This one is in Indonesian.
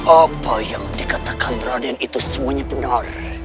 apa yang dikatakan raden itu semuanya benar